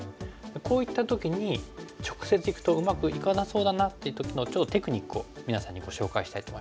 こういった時に直接いくとうまくいかなそうだなっていう時のちょっとテクニックを皆さんにご紹介したいと思います。